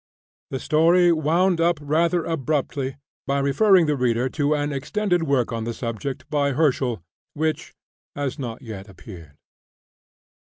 The story wound up rather abruptly by referring the reader to an extended work on the subject by Herschel, which has not yet appeared.